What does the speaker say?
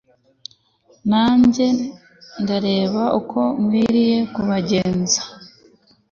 nanjye ndareba uko nkwiriye kubagenza